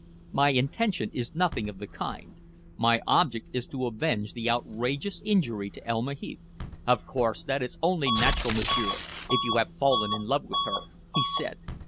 "My intention is nothing of the kind. My object is to avenge the outrageous injury to Elma Heath." "Of course. That is only natural, m'sieur, if you have fallen in love with her," he said.